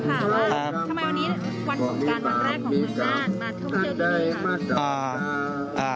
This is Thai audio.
ทำไมวันนี้วันการวันแรกของเมืองน่านมาเที่ยวที่นี่ค่ะอ่า